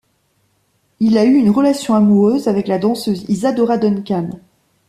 Il a eu une relation amoureuse avec la danseuse Isadora Duncan.